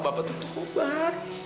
bapak tuh obat